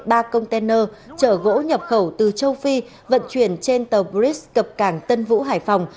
ba container chở gỗ nhập khẩu từ châu phi vận chuyển trên tàu gris cập cảng tân vũ hải phòng